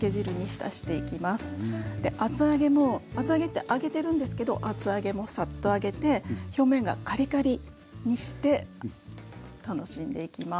で厚揚げも厚揚げって揚げてるんですけど厚揚げもサッと揚げて表面がカリカリにして楽しんでいきます。